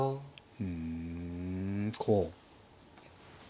うんこう。